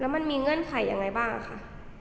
มันมีเงื่อนไขยังไงบ้างค่ะ